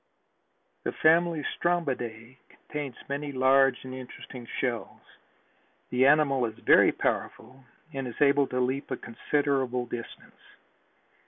The family Strombidae contains many large and interesting shells. The animal is very powerful and is able to leap a considerable distance.